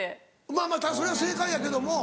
まぁまぁそれは正解やけども。